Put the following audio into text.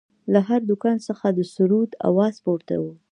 له هر دوکان څخه د سروذ اواز پورته و.